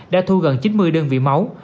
đã thu gần chín mươi đơn vị máu